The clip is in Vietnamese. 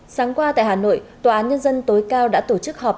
sáng qua tại hà nội tòa án nhân dân tối cao đã tổ chức họp